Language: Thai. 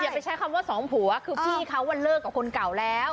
ไปใช้คำว่าสองผัวคือพี่เขาเลิกกับคนเก่าแล้ว